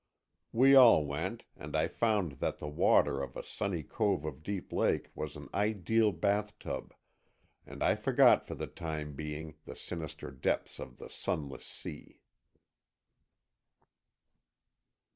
We all went, and I found that the water of a sunny cove of Deep Lake was an ideal bathtub, and I forgot for the time being the sinister depths of the Sunless Sea.